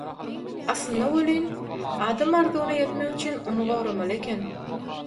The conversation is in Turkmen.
Aslynda welin, adam arzuwyna ýetmek üçin ony goramaly eken.